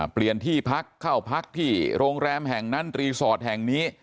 เปลี่ยนที่พักเข้าพักที่โรงแรมแห่งนั้นรีสอร์ทแห่งนี้